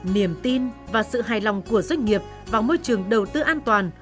niềm tin và sự hài lòng của doanh nghiệp vào môi trường đầu tư an toàn